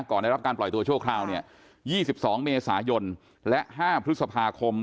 ได้รับการปล่อยตัวชั่วคราวเนี่ย๒๒เมษายนและ๕พฤษภาคม